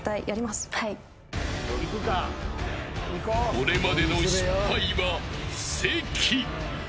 これまでの失敗は布石。